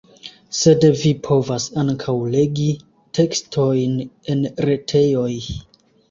Sed vi povas ankaŭ legi tekstojn en retejoj.